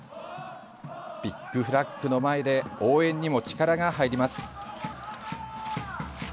ビッグフラッグの前で応援にも力が入ります。